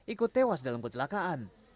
ikut tewas dalam kecelakaan